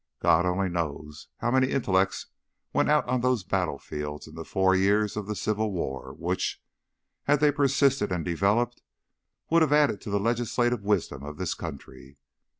God only knows how many intellects went out on those battlefields in the four years of the Civil War, which, had they persisted and developed, would have added to the legislative wisdom of this country.